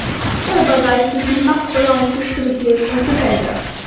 Oberseits sind sie matt braun gestrichelt und gebändert.